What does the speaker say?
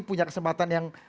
punya kesempatan yang